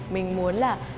mình muốn là